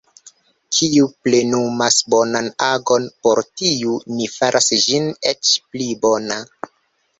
Kiu plenumas bonan agon, por tiu Ni faras ĝin eĉ pli bona.